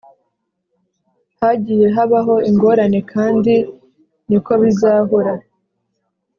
Hagiye habaho ingorane kandi ni ko bizahora .